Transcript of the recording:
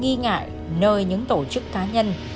nghi ngại nơi những tổ chức cá nhân